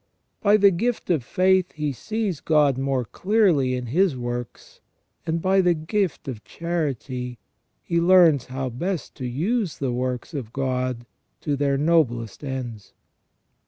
By the gift of faith he sees God more clearly in His works, and by the gift of charity he learns how best to use the works of God to their noblest ends.